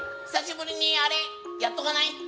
久しぶりにあれやっとかない？